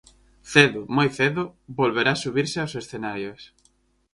Cedo, moi cedo, volverá subirse aos escenarios.